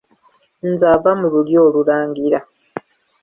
Nze ava mu lulyo olulangira.